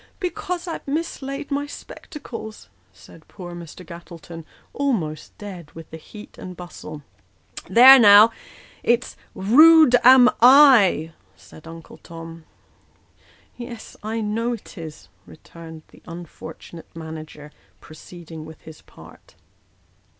" "Because I've mislaid my spectacles," said poor Mr. Gattletou, almost dead with the heat and bustle. " There, now it's ' rude am I,' " said Uncle Tom. " Yes, I know it is," returned the unfortunate manager, proceeding with his part.